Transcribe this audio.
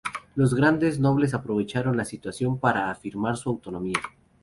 Los grandes nobles aprovecharon la situación para afirmar su autonomía.